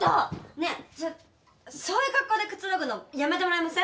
ねえちょそういう格好でくつろぐのやめてもらえません？